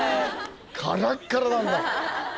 カラッカラなんだ。